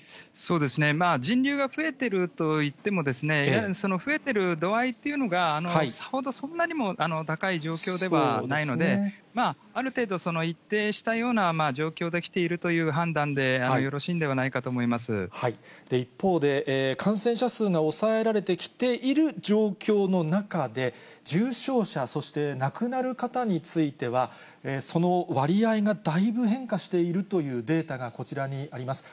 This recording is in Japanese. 人流が増えているといっても、増えてる度合いっていうのが、さほどそんなにも高い状況ではないので、ある程度、一定したような状況できているという判断でよろしいのではないか一方で、感染者数が抑えられてきている状況の中で、重症者、そして亡くなる方については、その割合がだいぶ変化しているというデータがこちらにあります。